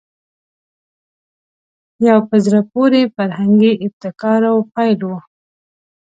یو په زړه پورې فرهنګي ابتکار او پیل وو